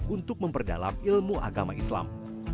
untuk memperdalam ilmu agama islam